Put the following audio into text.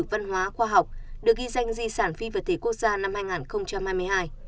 văn hóa khoa học được ghi danh di sản phi vật thể quốc gia năm hai nghìn hai mươi hai